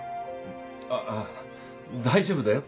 あっああ大丈夫だよ。